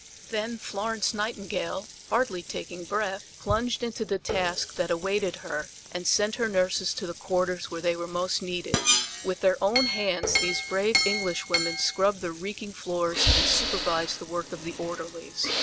Then Florence Nightingale, hardly taking breath, plunged into the task that awaited her and sent her nurses to the quarters where they were most needed. With their own hands these brave Englishwomen scrubbed the reeking floors and supervised the work of the orderlies.